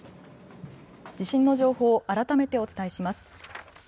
地震の情報改めてお伝えします。